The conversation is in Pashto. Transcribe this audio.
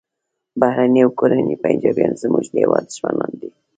بهرني او کورني پنجابیان زموږ د هیواد دښمنان دي